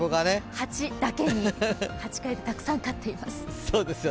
ハチだけに８階でたくさん飼っています。